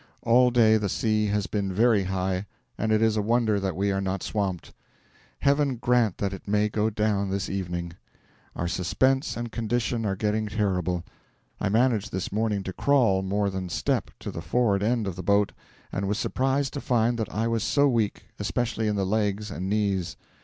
All day the sea has been very high, and it is a wonder that we are not swamped. Heaven grant that it may go down this evening! Our suspense and condition are getting terrible. I managed this morning to crawl, more than step, to the forward end of the boat, and was surprised to find that I was so weak, especially in the legs and knees.